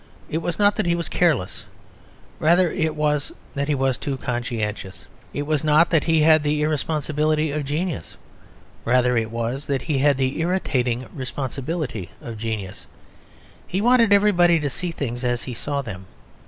It was not that he was careless; rather it was that he was too conscientious. It was not that he had the irresponsibility of genius; rather it was that he had the irritating responsibility of genius; he wanted everybody to see things as he saw them.